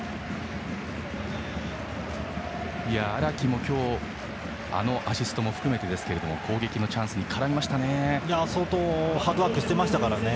荒木も今日あのアシストも含めてですが攻撃のチャンスに絡みましたね。